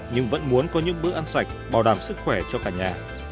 nhưng vẫn muốn có những bữa ăn sạch bảo đảm sức khỏe cho cả nhà